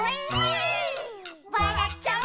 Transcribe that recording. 「わらっちゃう」